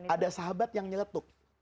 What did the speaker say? ada sahabat yang nyeletuk